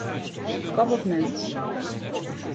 Kop of munt.